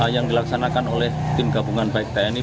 yang dilaksanakan oleh tim gabungan baik tni